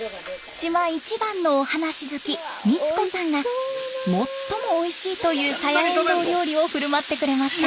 島一番のお話好き光子さんが最もおいしいというサヤエンドウ料理を振る舞ってくれました。